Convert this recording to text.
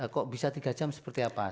kok bisa tiga jam seperti apa